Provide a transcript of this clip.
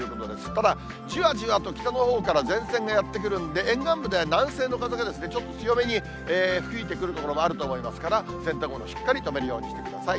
ただ、じわじわと北のほうから前線がやって来るんで、沿岸部では南西の風がちょっと強めに吹いてくる所もあると思いますから、洗濯物、しっかり留めるようにしてください。